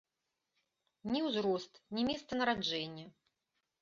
Ні ўзрост, ні месца нараджэння.